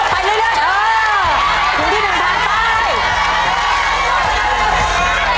ไปเลยเห็นมั้ยเนี่ย